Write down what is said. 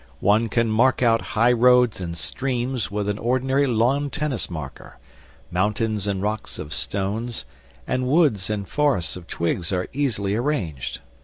One can mark out high roads and streams with an ordinary lawn tennis marker, mountains and rocks of stones, and woods and forests of twigs are easily arranged.